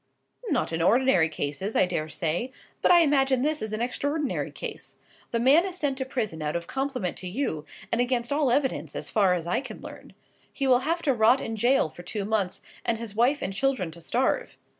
"Not in ordinary cases, I dare say. But I imagine this is an extraordinary case. The man is sent to prison out of compliment to you, and against all evidence, as far as I can learn. He will have to rot in gaol for two months, and his wife and children to starve.